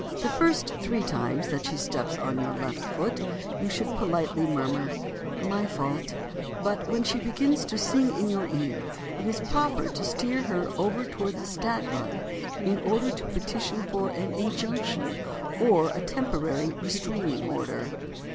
The first three times that she steps on your left foot, you should politely murmur, "My fault." But when she begins to sing in your ear it is proper to steer her over toward the "stag line" in order to petition for an injunction or a temporary restraining order.